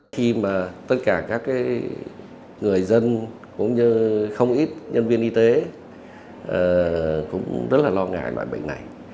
khi mà tất cả các người dân cũng như không ít nhân viên y tế cũng rất là lo ngại loại bệnh này